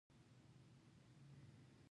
هغه دویم مېړه پر ښځې حرامېږي.